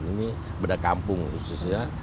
ini berdasarkan kampung khususnya